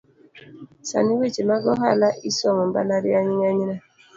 Sani weche mag ohala isomo embalariany ng’enyne